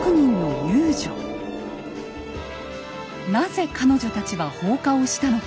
なぜ彼女たちは放火をしたのか？